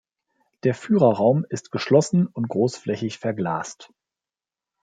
Der Führerraum ist geschlossen und großflächig verglast.